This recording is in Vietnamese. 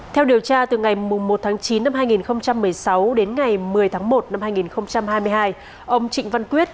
theo điều tra từ ngày một chín hai nghìn một mươi sáu đến ngày một mươi một hai nghìn hai mươi hai ông trịnh văn quyết